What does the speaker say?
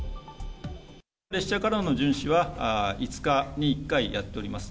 列車からの巡視は、５日に１回やっております。